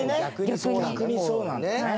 逆にそうなんだね。